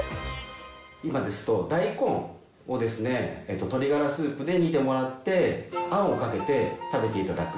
今ですと、大根を鶏がらスープで煮てもらって、あんをかけて食べていただく。